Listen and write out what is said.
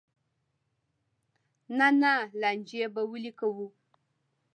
نه نه لانجې به ولې کوو.